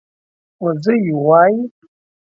وزۍ وايي